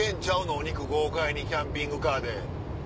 お肉豪快にキャンピングカーで。